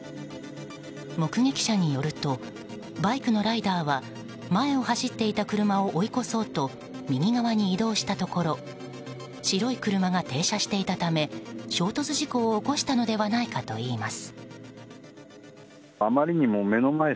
目撃者によるとバイクのライダーは前を走っていた車を追い越そうと右側に移動したところ白い車が停車していたため衝突事故を起こしたのではないかといいます。